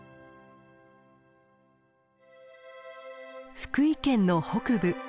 福井県の北部。